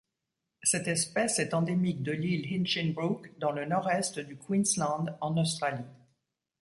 Cette espèce est endémique de l'île Hinchinbrook dans le nord-est du Queensland en Australie.